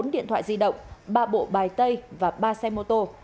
bốn điện thoại di động ba bộ bài tay và ba xe mô tô